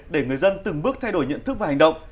để người dân từng bước thay đổi nhận thức và hành động